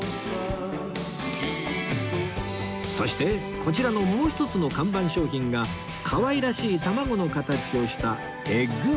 そしてこちらのもう一つの看板商品がかわいらしい卵の形をしたエッグバウム